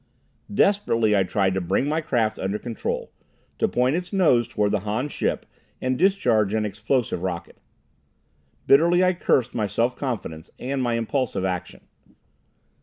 Desperately I tried to bring my craft under control, to point its nose toward the Han ship and discharge an explosive rocket. Bitterly I cursed my self confidence, and my impulsive action.